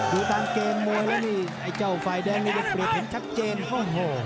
ดูตามเกมมวยแล้วนี่ไอ้เจ้าฝ่ายแดงนี่ได้เปรียบเห็นชัดเจนโอ้โห